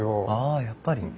ああやっぱり。